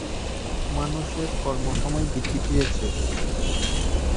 মানুষের কর্মসময় বৃদ্ধি পেয়েছে।